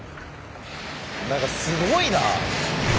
なんかすごいな！